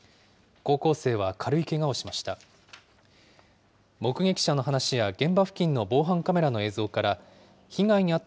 高校生は軽いけがをしました。